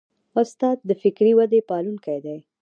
استاد د فکري ودې پالونکی دی.